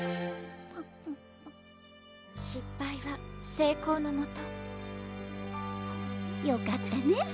失敗は成功のもとよかったね